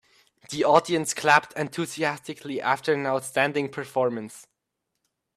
The audience clapped enthusiastically after an outstanding performance.